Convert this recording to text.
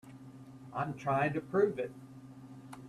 I'm trying to prove it.